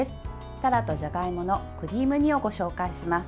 たらとじゃがいものクリーム煮をご紹介します。